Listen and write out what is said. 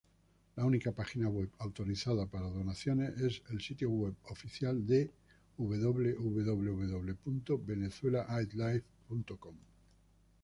La única página web autorizada para donaciones es el sitio web oficial en www.VenezuelaAidLive.com.